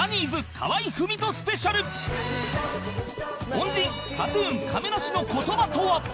恩人 ＫＡＴ−ＴＵＮ 亀梨の言葉とは？